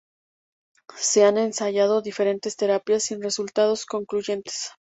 Se han ensayado diferentes terapias sin resultados concluyentes.